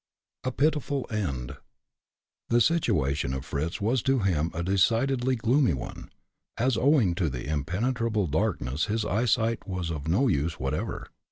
A PITIFUL END. The situation of Fritz was to him a decidedly gloomy one, as, owing to the impenetrable darkness his eyesight was of no use whatever.